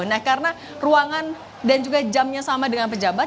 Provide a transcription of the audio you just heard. nah karena ruangan dan juga jamnya sama dengan pejabat